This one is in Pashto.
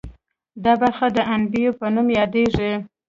دا برخه د عنبیې په نوم یادیږي.